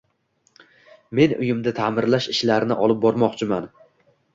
Men uyimda taʼmirlash ishlarini olib bormoqchiman.